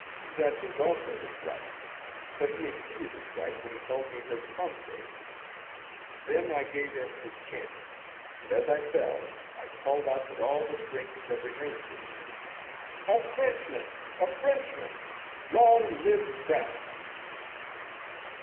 That was also his right, but he exceeded his right when he called me her ponce. Then I gave him his chance, and as I fell, I called out with all the strength that remained to me: 'A Frenchman! A Frenchman! Long live France!'"